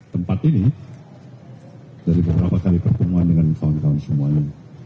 tempat ini dari beberapa kali pertemuan dengan kawan kawan semuanya